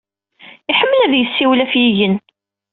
Iḥemmel ad yessiwel ɣef yigen.